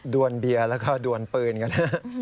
วนเบียร์แล้วก็ดวนปืนกันฮะ